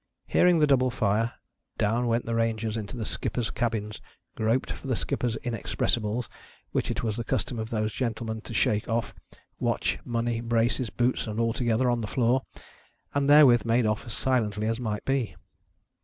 Hearing the double fire, down went the Rangers into the skippers' cabins ; groped for the skippers' inexpressibles, which it was the custom of those gentlemen to shake off, watch, money, braces, boots, and all together, on the floor ; and therewith made off as silently as might be.